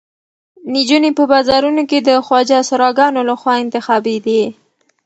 نجونې په بازارونو کې د خواجه سراګانو لخوا انتخابېدې.